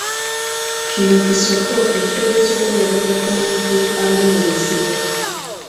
Kini kisoko ekitegeeza okweyagalira ku muntu ali mu bizibu.